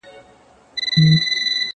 o ککرۍ يې دي رېبلي دې بدرنگو ککریو؛